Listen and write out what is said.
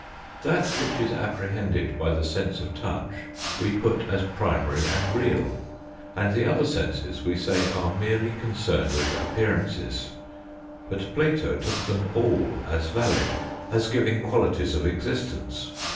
That which is apprehended by the sense of touch we put as primary and real, and the other senses we say are merely concerned with appearances. But Plato took them all as valid, as giving qualities of existence.